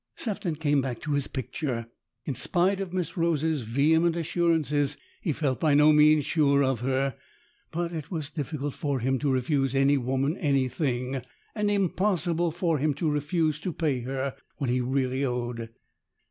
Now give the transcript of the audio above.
Sefton came back to his picture. In spite of Miss Rose's vehement assurances he felt by no means sure of her, but it was difficult for him to refuse any woman anything, and impossible for him to refuse to pay her what he really owed.